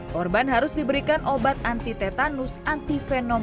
korban harus diberikan obat anti tetanus anti venom